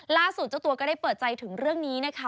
เจ้าตัวก็ได้เปิดใจถึงเรื่องนี้นะคะ